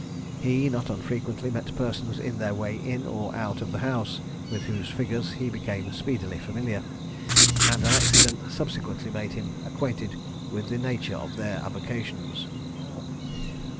He, not unfrequently, met persons in their way in or out of the house, with whose figures he became speedily familiar, and an accident subsequently made him acquainted with the nature of their avocations.